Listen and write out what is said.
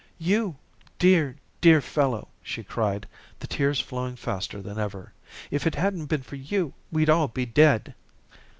"You dear, dear fellow," she cried, the tears flowing faster than ever. "If it hadn't been for you we'd all be dead."